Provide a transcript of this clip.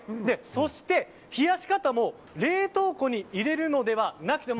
そして、冷やし方も冷凍庫に入れるのではなくて。